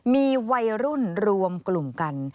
มีวัยรุ่นรวมกลุ่มกัน